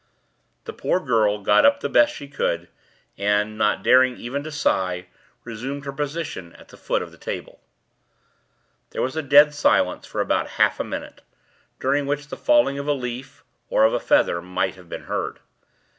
The poor girl got up the best she could, and, not daring even to sigh, resumed her position at the foot of the table. There was a dead silence for about half a minute, during which the falling of a leaf, or of a feather, might have been heard.